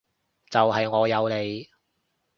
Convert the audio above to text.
就係我有你